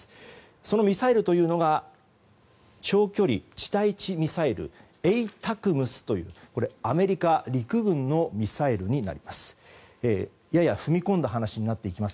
そのミサイルというのが長距離地対地ミサイルＡＴＡＣＭＳというアメリカ陸軍のミサイルになります。